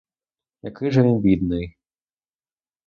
Який же він бідний!